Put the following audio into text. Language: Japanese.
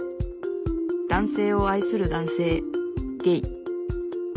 男性を愛する男性ゲイ。